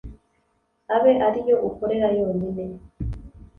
abe ari yo ukorera yonyine